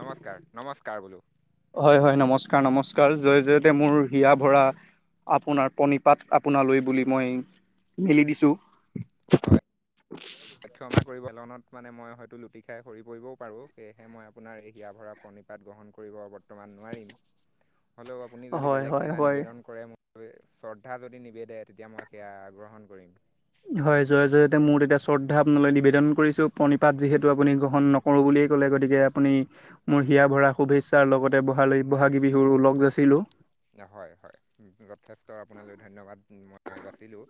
নমস্কাৰ, নমস্কাৰ বোলো হয় হয় নমস্কাৰ নমস্কাৰ, জয় জয়তে মোৰ হিয়া ভৰা আপোনাৰ প্ৰণীপাত আপোনালৈ বুলি মই মেলি দিছোঁ। হয়। ক্ষমা কৰিব লনত মানে মই হয়তো লুটি খাই সৰি পৰিব পাৰোঁ সেয়েহে মই আপোনাৰ হিয়া ভৰা পন প্ৰণীপাত গ্ৰহণ কৰিব বৰ্তমান নোৱাৰিম, হ'লেও আপুনি যদি হয় বেলেগ হয় কিবা হয় নিবেদন কৰে শ্ৰদ্ধা যদি নিবেদে তেতিয়া মই সেয়া গ্ৰহণ কৰিম। হয় জয় জয়তে মোৰ এতিয়া শ্ৰদ্ধা আপোনালৈ নিবেদন কৰিছো পণিপাত যিহেতু আপুনি গ্ৰহণ নকৰো বুলি ই ক'লে গতিকে আপুনি মোৰ হিয়া ভৰা শুভেচ্ছাৰ লগতে বহাগী বহাগী বিহু ওলগ যাছিলোঁ। হয় হয়, যথেষ্ট আপোনালৈ ধন্যবাদ মই যাছিলোঁ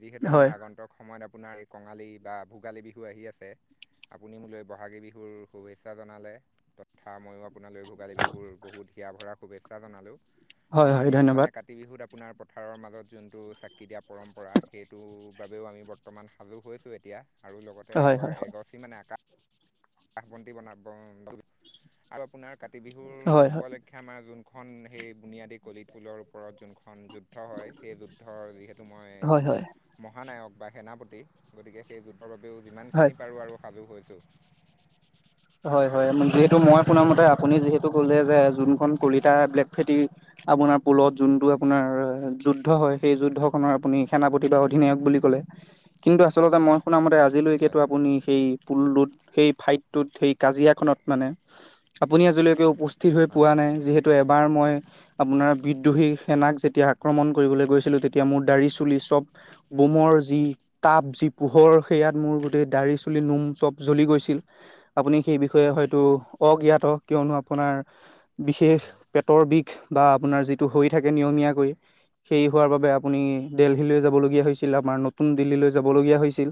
যিহেতু আমাৰ হয়। আগন্তক সময়ত আপোনাৰ কঙালী বা ভোগালী বিহু আহি আছে আপুনি মোলৈ বহাগী বিহুৰ শুভেচ্ছা জনালেঁ। কথা ময়ো আপোনালৈ ভোগালী বিহুৰ বহুত হিয়া ভৰা শুভেচ্ছা জনালোঁ। হয় আমাৰ হয় ইয়াত মানে ধন্যবাদ। কাতি বিহুত আপোনাৰ পথাৰৰ মাজত যোনটো চাকি দিয়া পৰম্পৰা সেইটোৰ বাবেও আমি বৰ্তমান সাজু হৈছোঁ এতিয়া। আৰু লগতে হয় এ হয় হয় এগছি মানে আকাশ শ বন্তি বনাব আৰু আপোনাৰ কাতি বিহুৰ হয় হয় উপলক্ষে আমাৰ যোন খন সেই বুনিয়াদী কলিত পুলৰ ওপৰত যোনখন এখন যুদ্ধ হয় সেই যুদ্ধৰ যিহেতু মই হয় হয় মহানায়ক বা সেনাপতি গতিকে সেই যুদ্ধৰ বাবেও হয়। যিমানখিনি পাৰোঁ আৰু সাজু হৈছোঁ। হয়, হয়। উম, যিহেতু মই শুনা মতে আপুনি যিহেতু ক'লে, যে যোনখন কলিতা ব্লেকেটি আপোনাৰ পোলত যোনটো আপোনাৰ যুদ্ধ হয়, সেই যুদ্ধ খনৰ আপুনি সেনাপতি বা অধিনায়ক বুলি ক'লে। কিন্তু আচলতে মই শুন মতে হয় আজিলৈকেতো আপুনি সেই পুলতোত, সেই ফাইট কাজিয়া খনত মানে, আপুনি আজলৈকে উপস্থিত হৈ প হয় নাই। যিহে তু এবাৰ মই আপোনাৰ বিদ্ৰোহী সেনাক যেতিয়া আক্ৰমণ কৰিবলৈ গৈছিলো, তেতিয়া মোৰ দাড়ি চুলি চব বোমৰ যি তাপ, যি পোহৰ সেয়াত মোৰ গোটেই দাঢ়ি, চুলি, নোম চব জ্বলি গৈছিল। আপুনি সেই বিষয়ে হয়তো হয় অজ্ঞাত, কিয়নো আপোনাৰ বিশেষ হয় পেটৰ বিষ বা আপোনাৰ যিটো হৈ থাকে নিয়মীয়াকৈ সেই হোৱাৰ বাবে আপুনি দেলহি লৈ যাব লগীয়া হৈছিল, আমাৰ নতুন দিল্লীলৈৈ যাব লগীয়া হৈছিল।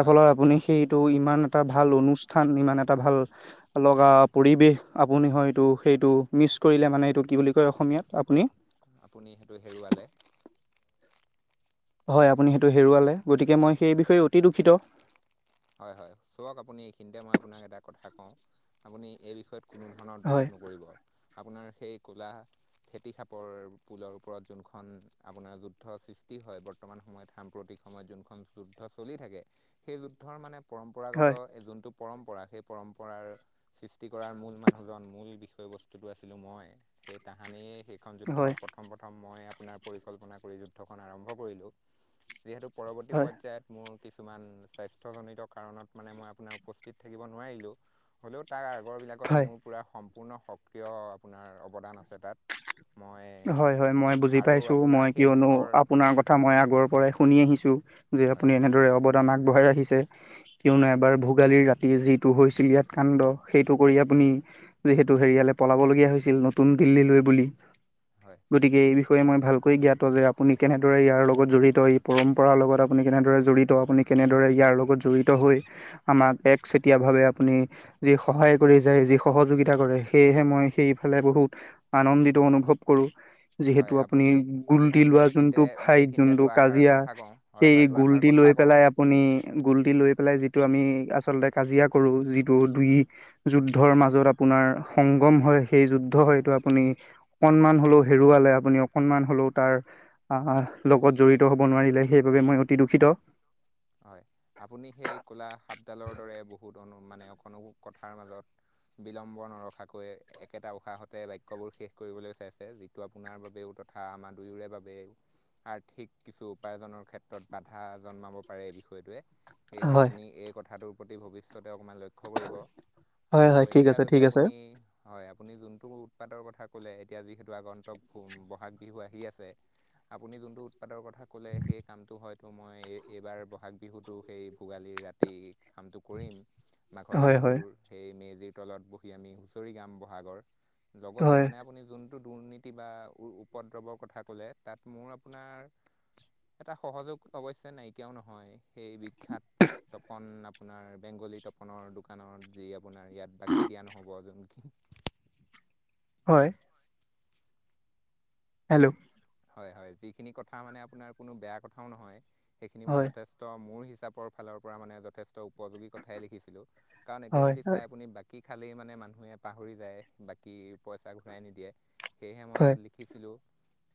হয় আপুনি সেইটো ইমান এটা ভাল অনু ষ্ঠান, ইমান এটা ভাল লগা পৰিৱেশ, আপুনি হয়তো সেইটো মিচ কৰিলে মানে এইট ত' কি বুলি আপুনি সেইটো হেৰুৱালে। হয়। আপুনি সেইটো হেৰুৱালে, গতিকে মই সেই বিষয়ে অতি দুখিত। হয়, হয়। চাওক আপুনি এইখিনিতে মই আপোনাক এটা কথা কওঁ, আপুনি এই বিষয়ত কোনো ধৰণৰ দুখ হয় নকৰিব। আপোনাৰ সেই কোলা ফেতি খাপৰ পুলৰ ওপৰত যোনখন আপোনাৰ যুদ্ধৰ সৃষ্টি হয়, বৰ্তমান সময়ত সাম্প্ৰতিক সময়ত [unintelligible] মানে হয় পৰম্ সৃষ্টি কৰাৰ মূল মানুহজন, মূল বিষয়বস্তুটো আছিলো মই। সেই তাহানিৰ সেইখন যুদ্ধৰ হয় প্ৰথম-প্ৰথম মই আপোনাৰ পৰিকল্পনা কৰি যুদ্ধখন আৰম্ভ কৰিলোঁ। যিহেতু পৰৱৰ্তী হয় পৰ্যায়ত মোৰ কিছুমান স্বাস্থ্যজনিত কাৰণত মানে মই আপোনাৰ উপস্থিত থাকিব নোৱাৰিলোঁ, হ'লেও তাৰ খবৰবিলাকত হয় মোৰ পোৰা সম্পূৰ্ণ সক্ৰিয় আপোনাৰ অৱদান আছে। তাত মই হয়, হয়। মই বুজি আৰু পাইছো, আপোনাৰ মই সেই কিয়নো দুখৰ আপোনাৰ কথা মই আগৰ পৰাই শুনি আহিছো। যে হয় আপুনি এনেদৰে অৱদান আগবঢ়াই আহিছে। হয় কিয়নো এবাৰ ভোগালীৰ ৰা যিটো হৈছিল ইয়াত কাণ্ড। সেইটো কৰি হয় আপুনি যিহেতু হেৰিয়ালে পলাবলগীয়া হৈছিল, নতুন দিল্লী লৈ বুলি। হয় কৈ মই ভালকৈ জ্ঞাত যে, আপুনি কেনেদৰে ইয়াৰ লগত জড়িত। এই পৰম্পৰাৰ লগত আপুনি কেনেদৰে জড়িত। আপুনি কেনেদৰে হয় ইয়াৰ লগত জড়িত হৈ আমাক এক চেতিয়াভাৱে আপুনি যি সহায় কৰি যায় যি সহযোগিতা কৰে। সেয়েহে মই সেইফালে বহুত আনন্দিত অনুভৱ কৰোঁ। যিহেতু হয় আপুনি গুল্টি আপোনাক মই লোৱা এইখিনিতে যোনটো ফাইট, এইখিনিতে যোনটো দুআষাৰ কাজিয়া কথা কওঁ হয় সেই হয় দুআষাৰ গুল্টি লৈ কথা লৈ কওঁ পেলাই আপুনি, গুল্টি লৈ পেলাই যি হেতু আমি আচলতে কাজিয়া কৰো। যিটো দুই যুদ্ধৰ মাজত আপোনাৰ সংগম হয় হয় সেই অকণমান হ'লেও হেৰুৱালে আপুনি। অকণমান হ'লেও তাৰ আমাৰ লগত জড়িত হ'ব নোৱাৰিলে সেইবাবে মই অতি দূষিত। [inaudible] হয়। আপুনি সেই ক'লা সাপডালৰ দৰে বহুত ধৰনৰ মানে [unintelligible] কথাৰ মাজত বিলম্ব নৰখাকৈ একেটা উশাহতে বাক্যবোৰ শেষ কৰিবলৈ চাইছে। যিটো আপোনাৰ বাবেও তথা আমাৰ দুয়োৰে বাবে আৰ্থিক কিছু উপাৰ্জনৰ ক্ষেত্ৰত বাধা জন্মাব পাৰে এই বিষয়টোৱে। সেয়েহে হয় আপুনি এই কথাটোৰ প্ৰতি ভৱিষ্যত অকণমান লক্ষ্য হয় কৰিবৱআৰু হয় ঠিক এতিয়া আছে যদি ঠিক আছে আপুনি, হয়, আ আপুনি যোনটো উৎপাতৰ কথা ক'লে, এতিয়া যিহেতু আগন্তক ব'হাগ বিহু আহি আছে। আপুনি যোনটো উৎপাদৰ কথা ক'লে, সেই কামটো হয়তো মই এ এইবাৰ ব'হাগ বিহুতো সেই ভোগালীৰ ৰাতি কামটো কৰিম। মাঘৰ হয় বিহুৰ হয় সেই মেজিৰ তলত বহি আমি হুঁচৰি গাম ব'হাগৰ। লগতে হয় মানে আপুনি যোন দুৰ্নীতি বা উ-উপদ্ৰৱৰ কথা ক'লে, তাত মোৰ আপোনাৰ এটা সহযোগ অৱশ্যে নাই তপন আপোনাৰ বেংগলী তপনৰ দোকানত যি আপোনাৰ ইয়াত বাকী দিয়া নহ'ব যোনখিনি হয়। হেল্ল'। হয়-হয় যিখিনি কথা মানে আপোনাৰ কোনো বেয়া কথাও নহয় সেইখিনি মই হয় যথেষ্ট মোৰ [unintelligible] পৰ ফালৰ পৰা মানে যথেষ্ট উপযোগী কথাই লিখিছিলো কাৰণ এতিয়া হয় যদি হয় চাই আপুনি বাকী খালেই মানে মানুহে পাহৰি যায় বাকী পইচা ঘূৰাই নিদিয়ে। সেয়েহে মই তাত লিখিছিলোঁ,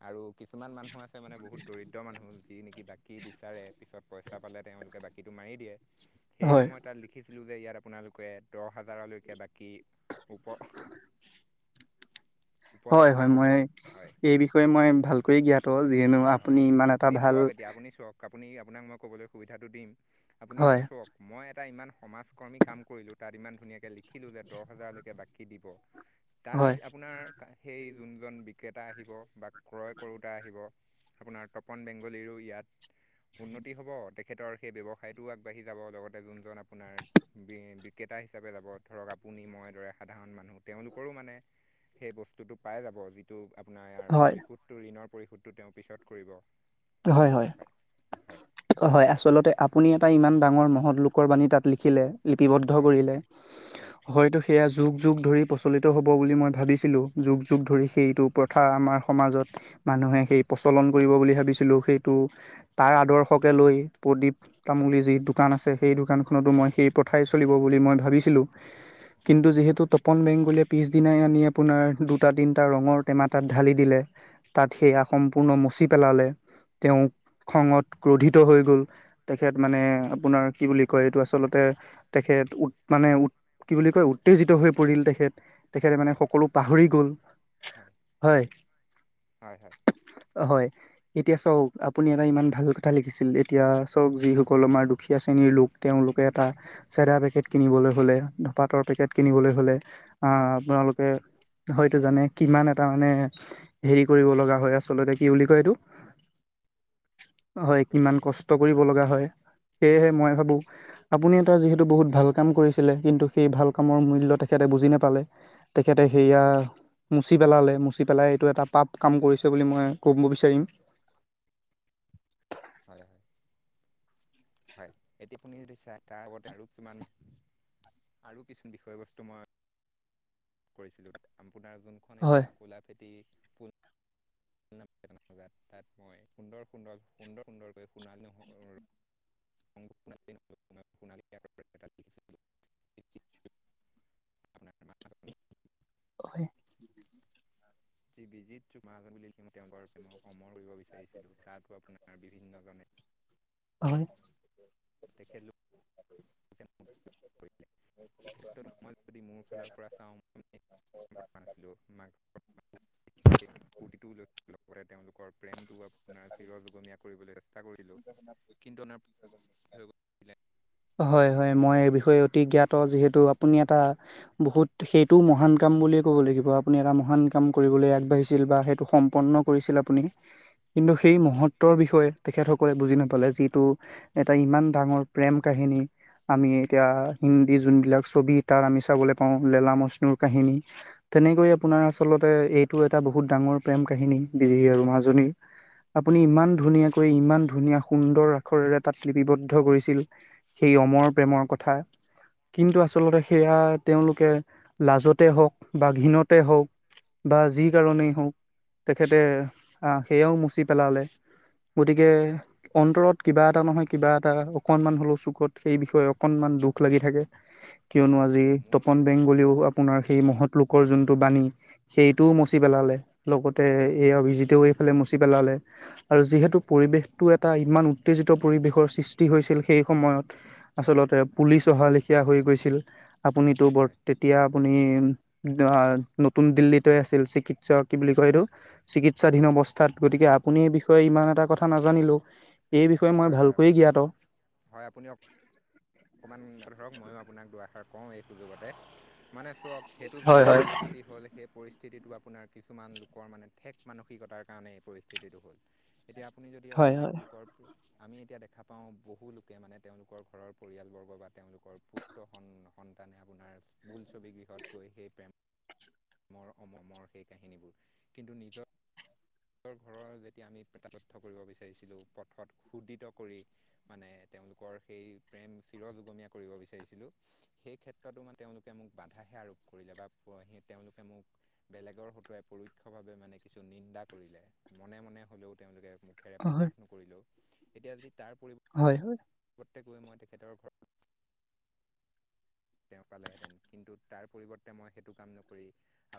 আৰু কিছুমান মানুহ আছে মানে বহুত দৰিদ্ৰ মানুহ যি নেকি বাকী বিচাৰে, পিছত পইচা পালে তেওঁলোকে বাকীটো মাৰি দিয়ে। সেয়েহে হয় মই তাত লিখিছোঁ [unintelligible] ইয়াত আপোনালোকে দহ হাজাৰলৈকে বাকী ওপ হয় হয়। মই, এই বিষয়ে মই ভালকৈয়ে জ্ঞাত তো যিয়েনো আপুনি ইমান এটা ভাল আপুনি-আপোনাক মই ক'বলৈ সুবিধাটো দিম। আপুনি এতিয়া হয় চোৱক মই টা ইমান সমাজ কৰ্মী কাম কৰিলোঁ। তাত ইমান ধুনীয়াকে লিখিলো যে দহ হাজাৰলৈকে বাকী দিব। হয় তাত আপোনাৰ সেই জোনজন বিক্ৰেতা আহিব বা ক্ৰয় কৰোতা আহিব আপোনাৰ তপন বেংগলীৰো ইয়াত উন্নতি হ'ব। তেখেতৰ সেই ব্যৱসায়টোও আগবাঢ়ি যাব, লগতে জোনজন আপোনাৰ বি-বিক্ৰে তা হিচাপে যাব ধৰক আপুনি, মই দৰে সাধাৰণ মানুহ, তেওঁলোকৰো মানে সেই বস্তুটো পাই যাব, যিটো আপোনাৰ হয়। ঝণৰ পৰিশোধটো তেওঁ পিছত কৰিব। হয় হয়। হয় হয় আচলতে আপ্‌ আপুনি এটা ইমান ডাঙৰ মহৎ লোকৰ বাণী তাত লিখিলে। লিপিবদ্ধ হয় কৰিলে। হয় হয়তো সেয়া যুগ যুগ ধৰি পচ চলিত হ'ব বুলি মই ভাবিছিলোঁ। যুগ যুগ ধৰি হয় সেইটো প্ৰথা আমাৰ সমাজত মানুহে সেই পচ চলন কৰিব বুলি ভাবিছোঁ। লো সেইটো। তাৰ আদৰ্শকে লৈ প্ৰদীপ তামুলীৰ যি দোকান আছে সেই দোকানখনতো ম মই সেই প্ৰথাই চলিব বুলি মই ভাবিছিলোঁ। হয় কিন্তু যিহেতু তপ্‌ পন বেংগুলীয়ে পিছদিনায়ে আনি আপোনাৰ দুটা তিনিটা ৰঙৰ টেমা তাত ঢালি দিলে তাত হয় সেয়া সম্পূৰ্ণ মচি পেলালে, তেওঁক হয় খঙত ক্ৰোধিত হৈ গ'ল। তেখেত মানে, আপোনাৰ কি বুলি কয়, এইটো আচলতে তেখেত এত উত মানে উত কি বুলি কয় উত্তেজিত হৈ পৰিল তেখেত। তেখেতে মানে হয় হয় হয় সকলো পাহৰি গ'ল। হয়, হয় হয়। এতিয়া চাওঁক আপুনি এটা ইমান ভাল কথা লিখিছিল। এতিয়া চাওঁক যিসকল আমাৰ দুখীয়া শ্ৰেণীৰ লোক, তেওঁলোক কে এটা চেধা পেকেট কিনিবলৈ হ'লে, ধপাতৰ পেকেট কিনিবলৈ হ'লে আ', আপোনালোকে হয়তো জানে কিমান এটা মানে হেৰি কৰিব লগা হয় আচলতে, কি বুলি কয় এইটো [inaudible] হয়। কিমান কষ্ট কৰিব লগা হয়। সেয়েহে মই ভাবোঁ, আপুনি এটা যিহেতু বহুত ভাল কাম কৰিছিলে, কিন্তু সেই ভাল কামৰ মূল্য তেখেত তে বুজি নাপালে। তেখেতে সেয়া মুচি পেলালে। মুচি পেলাই এইটো এটা পাপ কাম কৰিছে বুলি মই ক'ব বিচাৰিম। হয়। হয়। এইখিনি সুধিছা। তাৰ আগতে আৰু কিমান-আৰু কিছুম বিষয়বস্তু মই কৰিছিলোঁ। আপোনাৰ জোনখন হয় এতিয়া ক'লাফেটী পু [unintelligible] তাত মই সুন্দৰ সুন্দৰ সুন্দৰ সুন্দৰকৈ সোণা [unintelligible] [unintelligible] [unintelligible] হয়। যি বিজিত চুমাহাজান বুলি লিখিম- তেওঁলোকৰ প্ৰেমক অমৰ কৰিব বিচাৰিছিলোঁ। তাতো আপোনাৰ বিভিন্ন জনে [unintelligible] হয়। তেখেত লো কে [unintelligible] [unintelligible] এই ক্ষেত্ৰত মই যদি মোৰ ফালৰ পৰা চাওঁ [unintelligible] নাছিলো‌ঁ [unintelligible] মাক [unintelligible] লৈ লগতে তেওঁলোকৰ প্ৰেমটো আপোনাৰ চিৰ যুগমীয়া কৰিবলৈ চেষ্টা কৰিলোঁ। কিন্তু নাৰ হয়- হয় মই এই বিষয় বিষয়ে অতি জ্ঞাত যিহেতু আপুনি এটা বহুত সেইটোও মহান কাম বুলিয়ে ক'ব লাগিব আপুনি এটা মহান কাম কৰিবলৈ আগবাঢ়িছিল বা সেইটো সম্পন্ন কৰিছিল আপুনি। কিন্তু হৈ সেই গ'ল মহত্বৰ বিষয়ে তেখেতসকলে বুজি নাপালে যিটো এটা ইমান ডাঙৰ প্ৰেম কাহিনী। আমি এতিয়া হিন্দী যোনবিলাক ছবি তাত আমি চাবলৈ পাওঁ লেলা মষ্ণুৰ কাহিনী। তেনেকৈ আপোনাৰ আচলতে এইটো এটা বহুত ডাঙৰ প্ৰেম কাহিনী [unintelligible] আৰু মাজনীৰ। [inaudible] আপুনি ইমান ধুনীয়াকৈ ইমান ধুনীয়া সুন্দৰ আখৰেৰে তাত লিপিবদ্ধ কৰিছিল সেই অ মৰ প্ৰেমৰ কথা। কিন্তু আচলতে সেয়া তেওঁলোকে লাজতে হওক বা ঘীণতে হওক। বা যি কাৰণেই হওঁক তেখেতে আ সেয়াও মচি পেলালে গতিকে অন্তৰত কিবা এটা নহয় কিবা এটা অকনমান হ'লেও চুকত সেই বিষয়ে অকনমান দুখ লাগি থাকে। হয় হয় হয় হয় কিয়নো হয় আজি হয় মোৰ তপন বেংগলিও আপোনাৰ সেই হয় মহৎ লোকৰ যোনটো বাণী সেইটোও হয় হয় মচি পেলালে লগতে হয় এই অভিজিতেও মচি পেলালে আৰু হয় হয় যিহেতু হয় পৰিৱেশটো এটা ইমান উত্তেজিত পৰিবেশৰ সৃষ্টি হৈছিল সে সেই সময়ত আচলতে পুলিচ আহা লেখীয়া হৈ গৈছিল আপুনি বৰ তেতিয়া আপুনি নতুন দিল্লীতে আছিল চিকিৎসা কি বুলিয় কয়‌ এইটো চিকিৎসাধীন অৱস্থা আপুনি এই বিষয়ে ইমান এটা কথা নাজানিলও। সেই বিষয়ে মই হয় হয় হয় ভালকৈয়ে জ্ঞাত। হয় আপুনি অকণমান ধৰক ময়ো আপোনাক দুৱাষাৰ কওঁ এই সুযগতে মানে চাওক সেইটো হয় যোনটো হয় পৰিস্থিতি হ'ল সেই পৰি স্থিতিটো আপোনাৰ কিছুমান লোকৰ মানে ঠেক মানসিকতাৰ কাৰণে এই পৰিস্থিতিটো হ'ল এতিয়া আপুনি যদি হয় হয় বেলেগ লোকৰ আমি এতিয়া দেখা পাও বহু লোকে মানে তেওঁলোকৰ ঘৰৰ পৰিয়াল বৰ্গ বা তেওঁলোকৰ পুত্ৰ সন সন্তানে আপোনাৰ বোল ছবি গৃহত গৈ সেই প্ৰেম [unintelligible] নিজৰ ঘৰৰ যেতিয়া আমি [unintelligible] তথ্য কৰিব বিচাৰিছিলোঁ পথত শুদিত কৰি মানে তেওঁলোকৰ সেই প্ৰেম চিৰ যুগমীয়া কৰিব বিচাৰিছিলোঁ, সেই ক্ষেত্ৰতো মান তেওঁলোকে মোক বাধা শে আৰোপ কৰিলে বা সি তেওঁলোকে মোক বেলেগৰ হতুৱাই পৰোক্ষ ভাৱে মানে কিছু নিন্দা কৰিলে মনে-মনে হ'লেও তেওঁলোকে মুখেৰে হয় প্ৰকাশ নকৰিলেও এতিয়া যদি তাৰ পৰিৱ হয় হয় [unintelligible] তেওঁ পালেহেঁতেন কিন্তু তাৰ পৰিৱৰ্তে মই সেইটো কাম নকৰি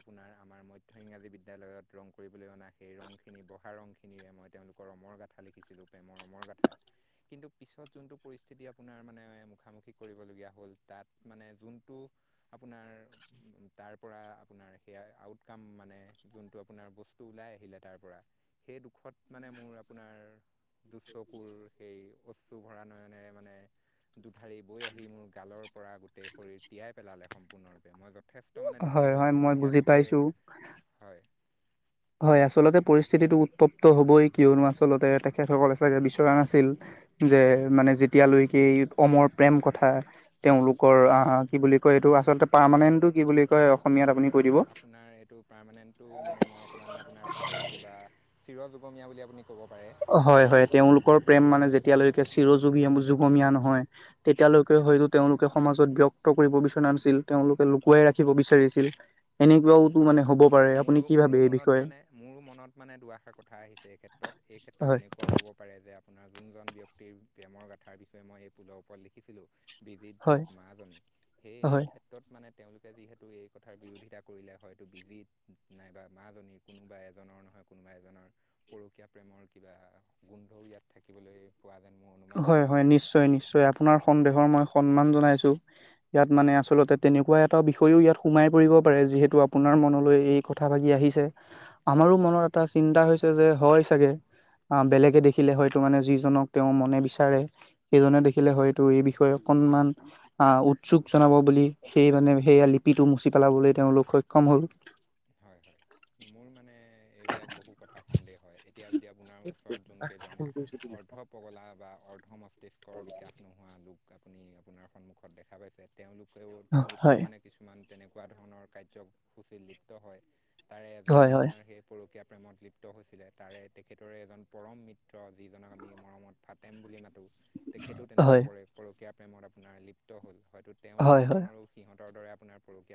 আপোনাৰ আমাৰ মধ্য ইংৰাজী বিদ্যালয়ত ৰং কৰিবলৈ অনা সেই ৰংখিনি বহা ৰংখিনিৰে মই [unintelligible] কিন্ত পিছত যোনটো পৰিস্থিতি আপোনাৰ মানে মুখামুখি কৰিবলগীয়া হ'ল তাত মানে যোনটো আপোনাৰ তাৰ পৰা আপোনাৰ সয়া আউটকাম মানে যোনটো আপোনাৰ বস্তু ওলাই আহিলে তাৰ পৰা সেই দুখত মানে মোৰ আপোনাৰ দুচকুৰ সেই অশ্ৰু ভৰা নয়নেৰে মানে দুধাৰি বৈ আহি মোৰ গালৰ পৰা গোটেই শৰীৰ তিয়াই পেলালে সম্পূৰ্ণৰূপে মই যথেষ্ট মানে হয় দুখিত হয় হ'লোঁ মই বুজি ইয়াতকৈ পাইছোঁ হয়। হয় আচলতে পৰিস্থিতিটো উত্তপ্ত হ'বই কিয়নো আচলতে তেখেতসকললে চাগে বিচৰা নাছিল। যে মানে যেতিয়ালৈকে অমৰ প্ৰেম কথা তেওঁলোকৰ আ কি বুলি কয়। এইটো আচলতে পাৰমানেণ্টো কি বুলি কয় অসমীয়াত আপুনি কৈ দিব আপোনাৰ এইটো পাৰমানেন্টো মানে মই অকমান আপোনাৰ পাহৰিছো বা চিৰ যুগমীয়া বুলি আপুনি ক'ব পাৰে হয়-হয় তেওঁলোকৰ প্ৰেম মানে যেতিয়ালৈ চিৰ যুগী যুগমীয়া নহয় তেতিয়ালৈকে হয় হয়তো তেওঁলোকে সমাজত ব্যক্ত কৰিব বিচৰা নাছিল। তেওঁলোকে লুকুৱাই ৰাখিব বিচাৰিছিল। হয়, এনেকুৱাওতো আ মানে হ'ব পাৰে আপুনি মোৰো- কি মোৰো ভাবে এই মনত বিষয়ে মানে মোৰো মনত মানে দুআষাৰ কথা আহিছে এই ক্ষেত্ৰত এই ক্ষেত্ৰত হয় এনেকুৱাও হ'ব পাৰে যে আপোনাৰ যোনজন ব্যক্তিৰ প্ৰেমৰ গাথাৰ বিষয়ে মই এই [unintelligible] ওপৰত লিখিছিলো। বিজিত যুগ হয় মাজনী সেই হয় ক্ষেত্ৰত মানে তেওঁলোকে যিহেতু এই কথাৰ বিৰোধী তা কৰিলে হয়তো বিজিত নাইবা মাজনী কোনোবা এজনৰ নহয় কোনোবা এজনৰ পৰকীয়া প্ৰেমৰ কিবা গোন্ধ ইয়াত থাকিবলৈ পোৱা যেন মোৰ অনুমান হয় হৈছে হয় নিশ্চয় যি নিশ্চয় আপোনাৰ নিশ্চয় সন্দেহৰ মই সন্মান জনাইছো ইয়াত হয় মানে আচলতে তেনেকুৱা এটা বিষয়ও ইয়াত সোমাই পৰিব পাৰে যিহেতু আপোনাৰ হয় মনলৈ এই কথা ভাগি আহিছে আমাৰো হয় মনৰত এটা চিন্তা হৈছ ছে যে হয় চাগে অ বেলেগে হয় দেখিলে হয়তো মানে যিজনক তেওঁ মনে বিচাৰে সেই জনে দেখিলে হয়টো এই বিষয়ে অকনমান আ উৎকোচ জনাব বুলি সেই সেইকাৰণে সেয়া লিপিটো মুচি পেলাবলৈ তেওঁলোক সক্ষম হ'ল হয় হয় মোৰ মানে এইবিলাক বহু কথা সন্দেহ হয় এতিয়া যদি আপোনাৰ ওচৰত যোন কেইজন অৰ্ধ পগলা বা অৰ্ধ মস্তিষ্ক বিকাশ নোহোৱা লোক আপুনি আপোনাৰ সন্মুখত দেখা পাইছে তেওঁলোকেও হয় তেওঁলোকৰো মানে কিছুমান তেনেকুৱা কোৱা ধৰণৰ কাৰ্যসূচীত লিপ্ত হয় তাৰে এজনো হয় হয় আপোনাৰ সেই প প্ৰেমত লিপ্ত হৈছিলে তাৰে তেখেতৰে এজন পৰম মিত্ৰ যিজনক আমি মৰমত ফাটেম বুলি মাতো তেখেটো তেনেকুৱা হয় পৰে পৰকীয়া প্ৰেমত আপোনাৰ লিপ্ত হ'ল হয়তো তেওঁলোক হয় হয় দুজনৰো সিহঁতৰ দৰে আপোনাৰ পৰকীয়া